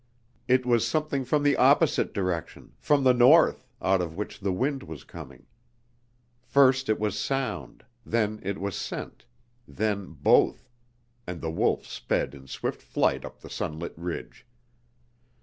It was something from the opposite direction, from the North, out of which the wind was coming. First it was sound; then it was scent then both, and the wolf sped in swift flight up the sunlit ridge.